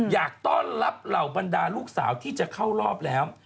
อยากต้อนรับเหล่าบรรดาลูกสาวที่จะเข้ารอบแล้ว